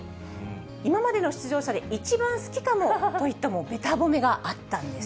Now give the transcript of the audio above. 今までの出場者で一番好きかもといった、もうべた褒めがあったんです。